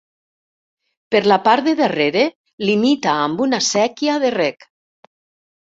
Per la part de darrere limita amb una séquia de reg.